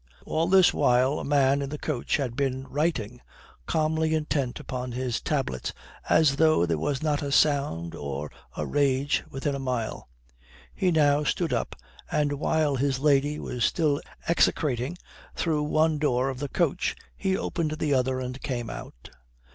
All this while a man in the coach had been writing, calmly intent upon his tablets as though there was not a sound or a rage within a mile. He now stood up, and, while his lady was still execrating through one door of the coach, he opened the other and came out.